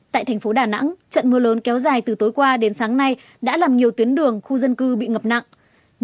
tại thành phố đà nẵng trận mưa lớn kéo dài từ tối qua đến sáng nay đã làm nhiều tuyến đường khu dân cư bị ngập nặng